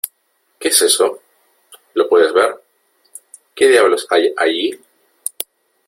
¿ Qué es eso ?¿ lo puedes ver ?¿ qué diablos hay allí ?